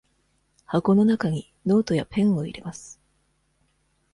箱の中にノートやペンを入れます。